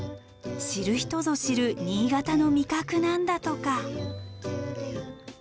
知る人ぞ知る新潟の味覚なんだとか。